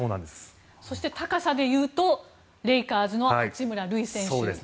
そして高さで言うとレイカーズの八村塁選手。